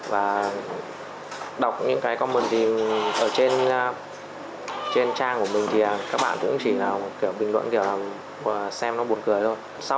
và đọc những comment ở trên trang của mình thì các bạn cũng chỉ là bình luận kiểu xem nó buồn cười thôi